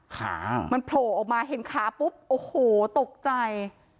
ขามันโผล่ออกมาเห็นขาปุ๊บโอ้โหตกใจ